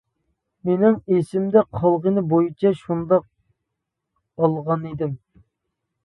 مېنىڭ ئېسىمدە قالغىنى بويىچە شۇنداق ئالغانىدىم.